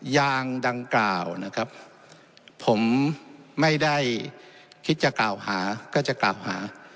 ยางดังกล่าวนะครับผมไม่ได้คิดจะกล่าวหาก็จะกล่าวหา